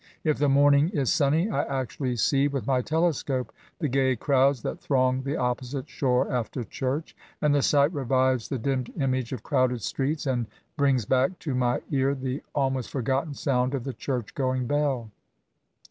If the morning is sunny, I actually see, with my telescope, the gay crowds that throng the opposite shore after church ; and the sight revived the dimmed image of crowded streets, and brings back to my ear the almost forgotten sound of ^^ the church going bell.